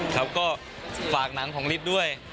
ครับก็ฝากหนังของฤทธิ์ด้วย